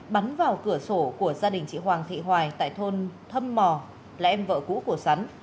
bắn vào cửa sổ của gia đình chị hoàng thị hoài tại thôn thâm mò là em vợ cũ của sắn